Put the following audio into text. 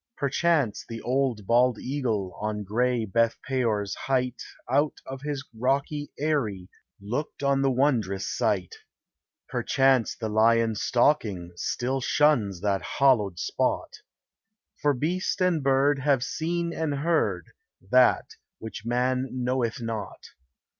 Perchance the bald old eagle On gray Beth peor's height Out of his rocky eyry Looked on the wondrous sight; Perchance the lion stalking Still shuns that hallowed spot; For beast and bird have seen and heard That which man knoweth not.